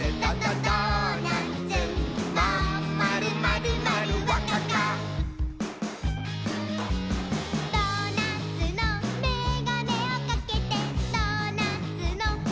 「ドーナツのメガネをかけてドーナツのＵＦＯみたぞ」